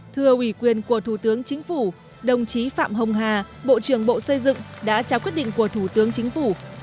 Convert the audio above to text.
thưa ủy quyền của thủ tướng chính phủ đồng chí phạm hồng hà bộ trưởng bộ xây dựng đã trao quyết định của thủ tướng chính phủ